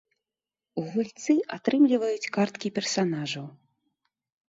Гульцы атрымліваюць карткі персанажаў.